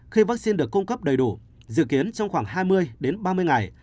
khi vaccine được cung cấp đầy đủ dự kiến trong khoảng hai mươi đến ba mươi ngày